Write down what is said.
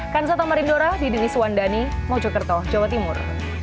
kansato marindora didi niswandani mojokerto jawa timur